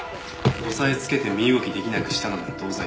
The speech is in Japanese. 押さえつけて身動き出来なくしたのなら同罪だ。